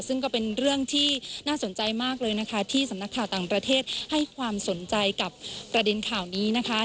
ซึ่งก็เป็นเรื่องที่น่าสนใจมากเลยนะคะที่สำนักข่าวต่างประเทศให้ความสนใจกับประเด็นข่าวนี้นะคะ